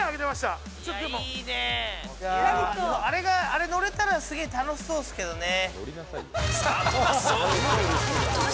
あれ乗れたらすごい楽しそうですけどね。